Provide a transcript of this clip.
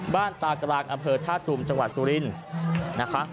บ้านตากรางอำเภอธาตุฑุมจังหวัดสุรินทร์